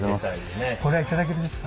これは頂けるんですか？